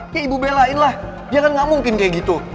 ya ibu belain lah jangan gak mungkin kayak gitu